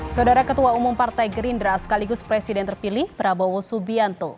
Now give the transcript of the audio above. saudara ketua umum partai gerindra sekaligus presiden terpilih prabowo subianto